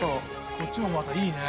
◆こっちも、またいいね。